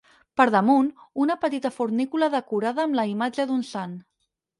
Per damunt, una petita fornícula decorada amb la imatge d'un sant.